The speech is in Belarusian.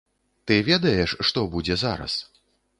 Ты ведаеш, што будзе зараз.